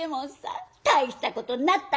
大したことになったねえ」。